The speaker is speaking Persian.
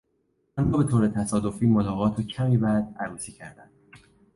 آن دو به طور تصادفی ملاقات و کمی بعد عروسی کردند.